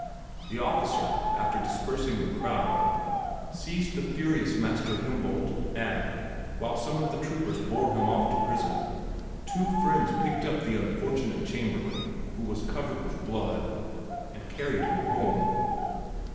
The officer, after dispersing the crowd, seized the furious Master Himboldt, and, while some of the troopers bore him off to prison, two friends picked up the unfortunate Chamberlain, who was covered with blood, and carried him home.